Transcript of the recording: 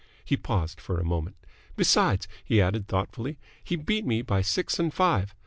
He paused for a moment. "Besides," he added, thoughtfully, "he beat me by six and five.